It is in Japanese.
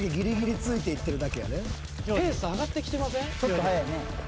ちょっと速いね。